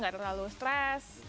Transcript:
gak terlalu stress